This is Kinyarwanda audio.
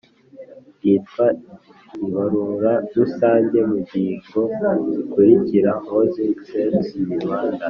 ryitwa Ibarura Rusange mu ngingo zikurikira Housing Census in Rwanda